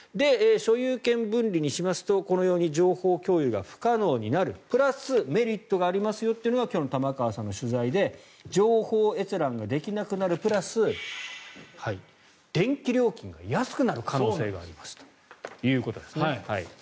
所有権分離にすると、このように情報共有が不可能になるプラスメリットがありますよというのが今日の玉川さんの取材で情報閲覧ができなくなるプラス電気料金が安くなる可能性があるということですね。